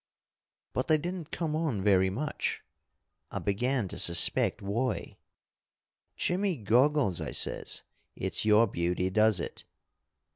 "But they didn't come on very much. I began to suspect why. 'Jimmy Goggles,' I says, 'it's your beauty does it.'